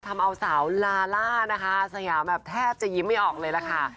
ทำเอาสาวลาล่านะคะอาสยามแบบแทบจะยิ้มไม่ออกเลยล่ะค่ะ